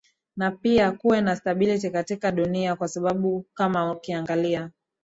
na pia kuwe na stability katika dunia kwa sababu kama ukiangalia